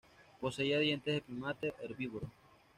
Poseía dientes de primate herbívoro.